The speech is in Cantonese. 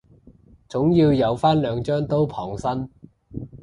總要有返兩張刀傍身